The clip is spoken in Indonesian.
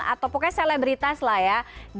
atau pokoknya selebritas lah ya